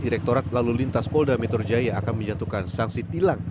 direktorat lalu lintas polda metro jaya akan menjatuhkan sanksi tilang